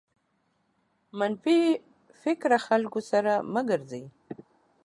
منفي فکره خلکو سره مه ګرځٸ.